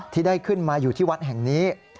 ที่ได้ขึ้นมาอยู่ที่วัดแห่งนี้